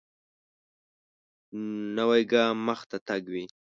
نوی ګام مخته تګ وي